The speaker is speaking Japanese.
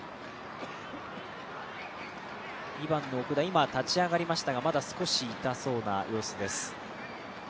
２番の奥田、今立ち上がりましたが、まだ少し痛そうな様子です。